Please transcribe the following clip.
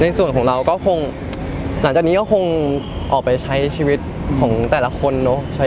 ในส่วนของเราก็คงหลังจากนี้ก็คงออกไปใช้ชีวิตของแต่ละคนเนอะ